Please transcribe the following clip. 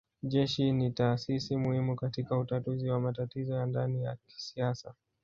Jeshi ni taasisi muhimu katika utatuzi wa matatizo ya ndani ya kisiasa